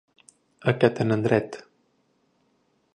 A què tenen dret?